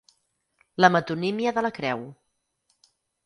La metonímia de la creu.